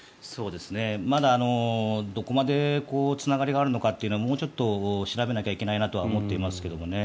まだ、どこまでつながりがあるのかというのはもうちょっと調べなきゃいけないなと思っていますけれどね。